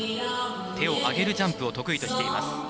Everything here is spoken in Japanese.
手を上げるジャンプを得意としています。